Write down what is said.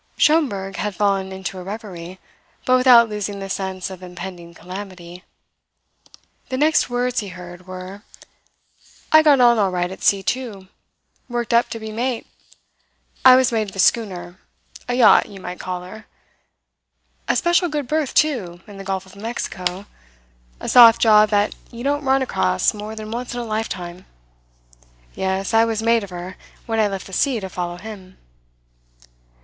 Schomberg had fallen into a reverie, but without losing the sense of impending calamity. The next words he heard were: "I got on all right at sea, too. Worked up to be mate. I was mate of a schooner a yacht, you might call her a special good berth too, in the Gulf of Mexico, a soft job that you don't run across more than once in a lifetime. Yes, I was mate of her when I left the sea to follow him."